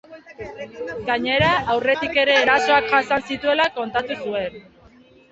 Gainera, aurretik ere erasoak jasan zituela kontatu zuen.